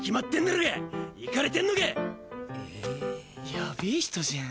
やべぇ人じゃん。